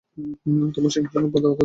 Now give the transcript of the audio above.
তোমার সিংহাসনের বাধা দূর করি।